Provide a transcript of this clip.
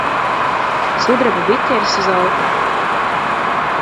Sudraba biķeris uz altāra.